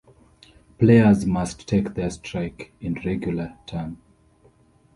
Players must take their strike in regular turn.